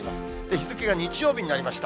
日付が日曜日になりました。